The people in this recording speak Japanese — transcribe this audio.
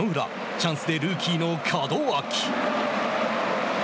チャンスでルーキーの門脇。